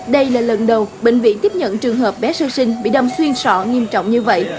đây là lần đầu bệnh viện tiếp nhận trường hợp bé sơ sinh bị đâm xuyên sọ nghiêm trọng như vậy